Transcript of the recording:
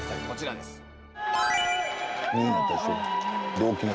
こちらです。